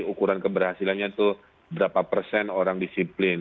ukuran keberhasilannya itu berapa persen orang disiplin